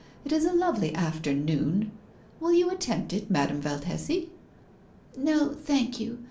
It is a lovely afternoon. Will you attempt it, Madame Valtesi?" "No, thank you.